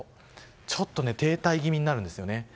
ちょっと停滞気味になるんですよね。